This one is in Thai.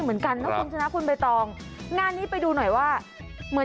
ล้มลงไปเลย